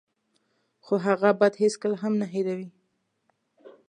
خو هغه بد هېڅکله هم نه هیروي.